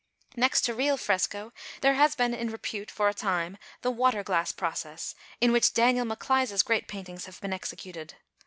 Next to real fresco, there has been in repute for a time the waterglass process, in which Daniel Maclise's great paintings have been executed.